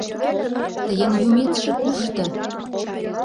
Тыйын юметше кушто?